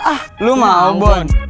ah lu mampun